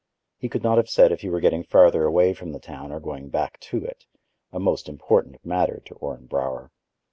He could not have said if he were getting farther away from the town or going back to it—a most important matter to Orrin Brower.